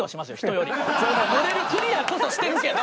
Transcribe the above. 乗れるクリアこそしてるけど。